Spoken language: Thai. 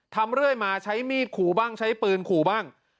ทำเรื่อยมาใช้มีดขู่บ้างใช้ปืนขู่บ้าง